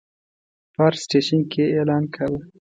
په هر سټیشن کې یې اعلان کاوه.